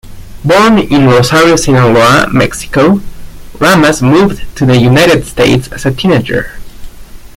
Born in Rosario, Sinaloa, Mexico, Llamas moved to the United States as a teenager.